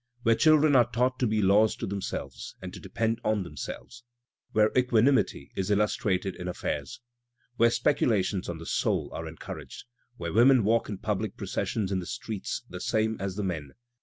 Where children are taught to be laws to themselves, and to depend on themselves, Where equanimity is illustrated in affairs. Where speculations on the soul are encouraged. Where women walk in public processions in the streets the same as the men.